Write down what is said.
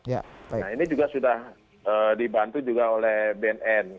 nah ini juga sudah dibantu juga oleh bnn